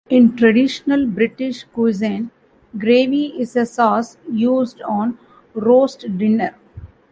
In traditional British cuisine, gravy is a sauce used on roast dinner.